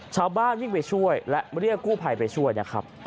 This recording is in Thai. ชาวบ้านวิ่งไปช่วยและเรียกกู้ภัยไปช่วยนะครับ